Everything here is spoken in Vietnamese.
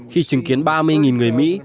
khi chứng kiến ba mươi người mỹ